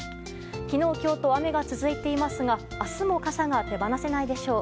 昨日、今日と雨が続いていますが明日も傘が手放せないでしょう。